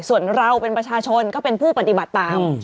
ส่วนเราเป็นประชาชนก็เป็นผู้ปฏิบัติตาม